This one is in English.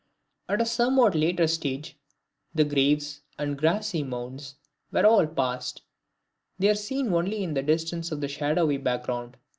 At a somewhat later stage, the graves and grassy mounds were all passed, they are seen only in the distance of the shadowy background.